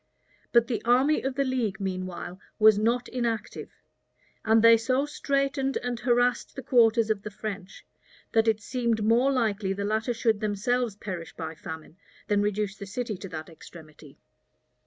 But the army of the league, meanwhile, was not inactive; and they so straitened and harassed the quarters of the French, that it seemed more likely the latter should themselves perish by famine, than reduce the city to that extremity.